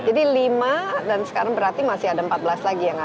jadi lima dan sekarang berarti masih ada empat belas lagi ya